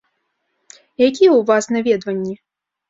Якія ў вас наведванні?